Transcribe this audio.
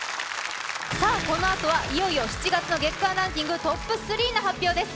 このあとは、いよいよ７月の月間ランキングトップ３の発表です。